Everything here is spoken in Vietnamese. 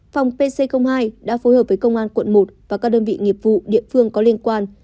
phòng pc hai đã phối hợp với công an quận một và các đơn vị nghiệp vụ địa phương có liên quan